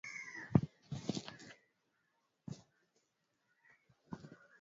abiria walifurahi kutoa nafasi kwa wanawake na watoto katika boti za kuokolea